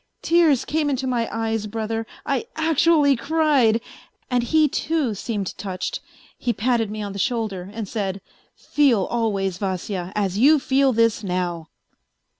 Tears came into my eyes, brother, I actually cried, and he, too, seemed touched, he patted me on the shoulder, and said :' Feel always, Vasya, as you feel this now.'